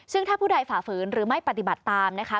ซึ่งถ้าผู้ใดฝ่าฝืนหรือไม่ปฏิบัติตามนะคะ